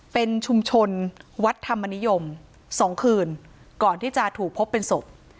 เป็นชุมชนวัดธรรมนิยม๒คืนก่อนที่จะถูกพบเป็นศพ